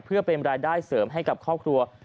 เพื่อเป็นรายได้เสริมให้กับครอบครัว